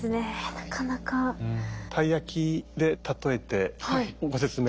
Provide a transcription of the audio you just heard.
たい焼きで例えてご説明。